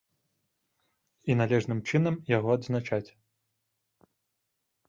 І належным чынам яго адзначаць.